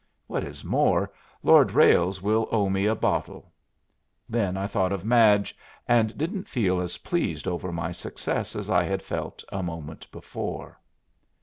What is more, Lord Ralles will owe me a bottle." Then I thought of Madge, and didn't feel as pleased over my success as I had felt a moment before.